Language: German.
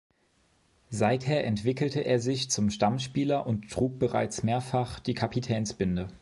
Seither entwickelte er sich zum Stammspieler und trug bereits mehrfach die Kapitänsbinde.